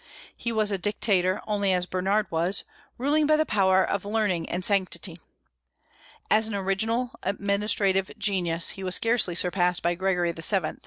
He was a dictator only as Bernard was, ruling by the power of learning and sanctity. As an original administrative genius he was scarcely surpassed by Gregory VII.